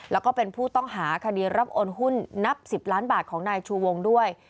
แล้วก็เป็นผู้ต้องหาคดีรับโอนหุ้นนับ๑๐ล้านบาทของนายชูวงด้วย